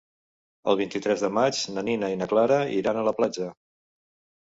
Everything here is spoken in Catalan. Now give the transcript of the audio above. El vint-i-tres de maig na Nina i na Clara iran a la platja.